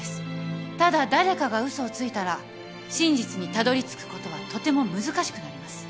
ただ誰かが嘘をついたら真実にたどりつくことはとても難しくなります